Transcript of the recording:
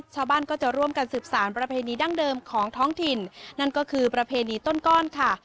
ชาวบ้านก็จะร่วมกันสืบสารประเพณีดั้งเดิมของท้องถิ่นนั่นก็คือประเพณีต้นก้อนค่ะ